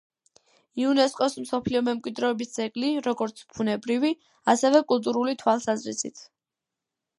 იუნესკოს მსოფლიო მემკვიდრეობის ძეგლი, როგორც ბუნებრივი, ასევე კულტურული თვალსაზრისით.